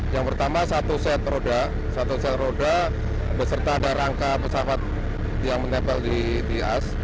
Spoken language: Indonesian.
yang pertama satu set roda satu set roda beserta ada rangka pesawat yang menempel di as